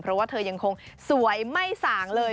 เพราะว่าเธอยังคงสวยไม่ส่างเลย